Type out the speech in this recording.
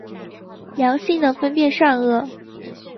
良心能分辨善恶。